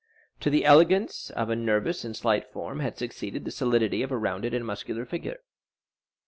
0283m To the elegance of a nervous and slight form had succeeded the solidity of a rounded and muscular figure.